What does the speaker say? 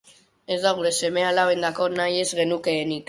Ez da gure seme-alabendako nahi ez genukeenik.